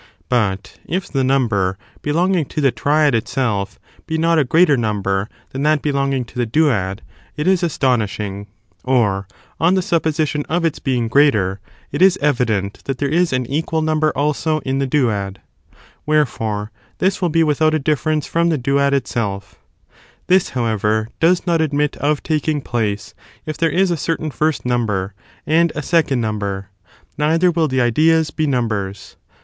But, if the number belonging to the triad itself ^^ j^ j^^^, be not a greater number than that belonging to ever, monads the duad, it is astonishing : or, on the supposition ^JSces^^tSe of its being greater, it is evident that there is an ideas wiu be equal, number, also, in the duad. Wherefore, °"™"* this will be without a difference from the duad itself. This, however, does not admit of taking place if there is a certain first number and a second number; neither will the ideas be numbers.